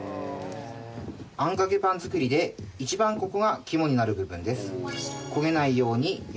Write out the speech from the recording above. あんかけパン作りで一番ここが肝になる部分です。